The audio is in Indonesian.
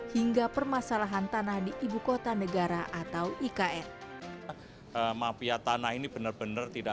hingga permasalahan tanah di ibukota negara atau ikn mafia tanah ini benar benar tidak